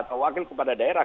atau wakil kepada daerah